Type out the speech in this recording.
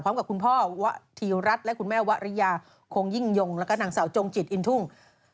พร้อมกับคุณพ่อวะธีรัฐและคุณแม่วะริยาคงยิ่งยงแล้วก็นางสาวจงจิตอินทุ่ง